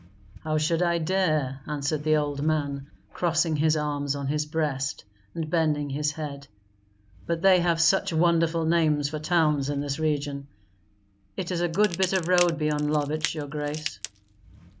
"How should I dare," answered the old man, crossing his arms on his breast and bending his head; "but they have such wonderful names for towns in this region. It is a good bit of road beyond Lovich, your grace."